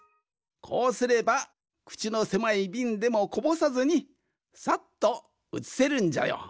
こうすればくちのせまいびんでもこぼさずにさっとうつせるんじゃよ。